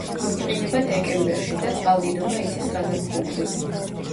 იყინება დეკემბერში და წყალდიდობა იცის გაზაფხულობით.